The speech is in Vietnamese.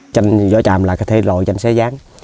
tranh vỏ tràm là cái thế loại tranh xé gián